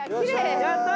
やったー！